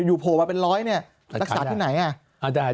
อยุ่โผล่มาเป็น๑๐๐แล้วรักษาที่ไหน